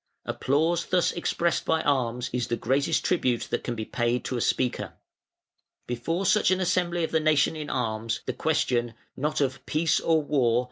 Applause thus expressed by arms is the greatest tribute that can be paid to a speaker". Before such an assembly of the nation in arms, the question, not of Peace or War?